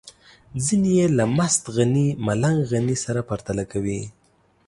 ځينې يې له مست غني ملنګ غني سره پرتله کوي.